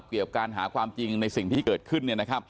เกี่ยวกับการหาความจริงในสิ่งที่เกิดขึ้น